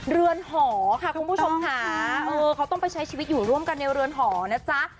เรือนหอค่ะคุณผู้ชมค่ะเออเขาต้องไปใช้ชีวิตอยู่ร่วมกันในเรือนหอนะจ๊ะ